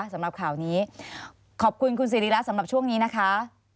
สำหรับข่าวนี้ขอบคุณคุณสิริระสำหรับช่วงนี้นะคะ